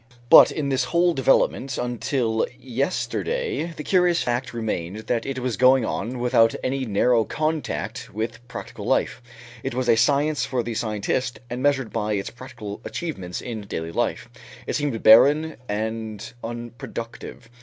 But in this whole development, until yesterday, the curious fact remained that it was going on without any narrow contact with practical life; it was a science for the scientist and measured by its practical achievements in daily life, it seemed barren and unproductive.